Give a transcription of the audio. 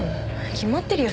決まってるよ